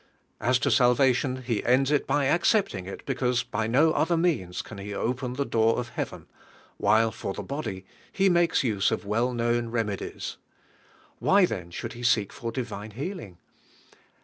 As to salvation, be ends it by accepting it because by no other means can he open the door of hea ven; while for the body, he makes use of well known remedies. Why then should In seeS for divine healing?